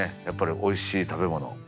やっぱりおいしい食べ物。